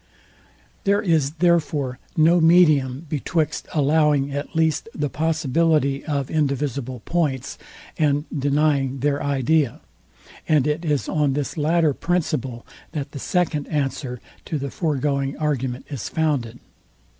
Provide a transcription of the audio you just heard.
There is therefore no medium betwixt allowing at least the possibility of indivisible points, and denying their idea; and it is on this latter principle, that the second answer to the foregoing argument is founded.